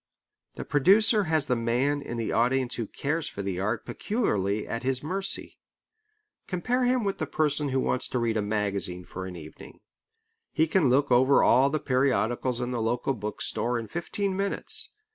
The producer has the man in the audience who cares for the art peculiarly at his mercy. Compare him with the person who wants to read a magazine for an evening. He can look over all the periodicals in the local book store in fifteen minutes.